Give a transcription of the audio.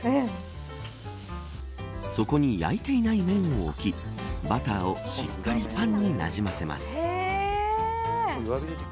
そこに焼いていない面を置きバターをしっかりパンになじませます。